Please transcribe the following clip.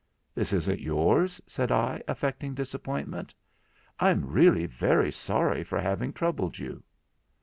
'Then it isn't yours?' said I, affecting disappointment. 'I'm really very sorry for having troubled you.'